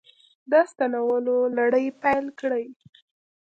د ستنولو لړۍ پیل کړې